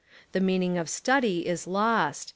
The meaning of study is lost.